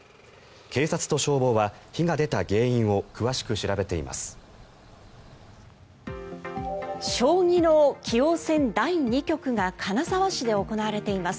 警察と消防は、火が出た原因を詳しく調べています。